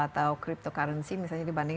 atau cryptocurrency misalnya dibanding